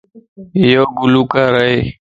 ايو گلو ڪار ائي